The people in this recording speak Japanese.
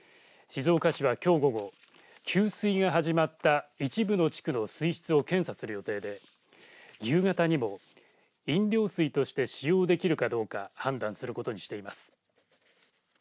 静岡市は、きょう午後給水が始まった一部の地区の水質を検査する予定で夕方にも飲料水として使用できるかどうか判断することにしています。